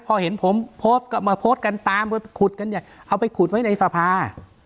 พอเห็นผมเผาะก็มาเผาะกันตามเอาไปขุดกันใช่ไหมเอาไปขุดไว้ในสภา